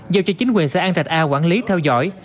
giao cho chính quyền xã an trạch a quản lý theo dõi